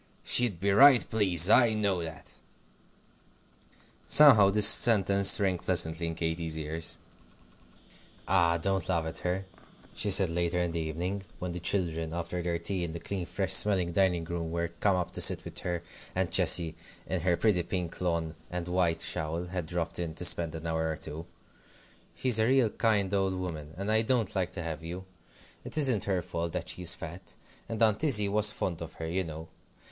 She'd be right pleased; I know that." Somehow, this sentence rang pleasantly in Katy's ears. "Ah! don't laugh at her," she said later in the evening, when the children, after their tea in the clean, fresh smelling dining room, were come up to sit with her, and Cecy, in her pretty pink lawn and white shawl, had dropped in to spend an hour or two; "she's a real kind old woman, and I don't like to have you. It isn't her fault that she's fat. And Aunt Izzie was fond of her, you know.